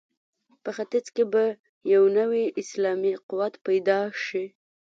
په ختیځ کې به یو نوی اسلامي قوت پیدا شي.